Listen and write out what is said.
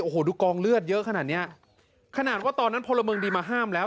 โอ้โหดูกองเลือดเยอะขนาดเนี้ยขนาดว่าตอนนั้นพลเมืองดีมาห้ามแล้ว